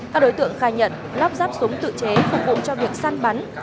các đối tượng khai nhận lắp ráp súng tự chế phục vụ cho việc săn bắn